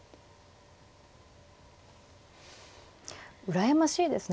羨ましいですね。